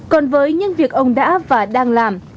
còn với những việc ông đã và đang làm